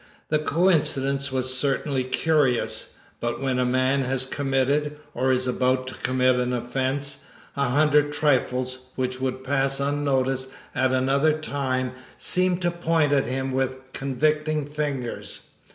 The coincidence was certainly curious, but when a man has committed, or is about to commit an offence, a hundred trifles, which would pass unnoticed at another time, seem to point at him with convicting fingers.